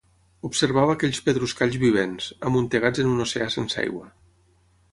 Observava aquells pedruscalls vivents, amuntegats en un oceà sense aigua.